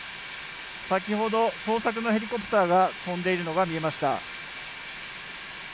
先ほど、捜索のヘリコプターが飛んでいるのが見えました。